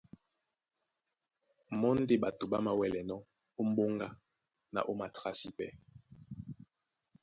Mɔ́ ndé ɓato ɓá māwɛ́lɛnɔ́ ó m̀ɓóŋga na ó matrǎsi. Pɛ́.